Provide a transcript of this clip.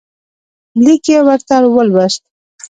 لیک یې ورته ولوست.